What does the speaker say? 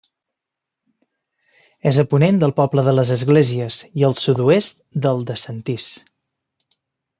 És a ponent del poble de les Esglésies i al sud-oest del de Sentís.